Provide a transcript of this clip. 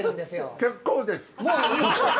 結構です。